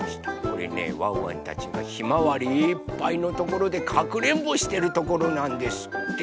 これねワンワンたちがひまわりいっぱいのところでかくれんぼしてるところなんですって。